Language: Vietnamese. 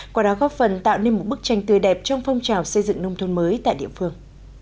qua đó góp phần tạo nên một bức tranh tươi đẹp trong phong trào xây dựng nông thôn mới tại địa phương